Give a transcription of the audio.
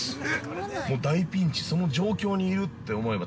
大ピンチ、その状況にいると思えば。